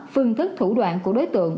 phương thức thủ đoạn của đối tượng